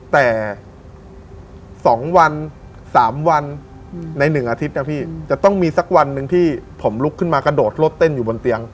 แต่๒วัน๓วันใน๑อาทิตย์นะพี่จะต้องมีสักวันหนึ่งที่ผมลุกขึ้นมากระโดดรถเต้นอยู่บนเตียง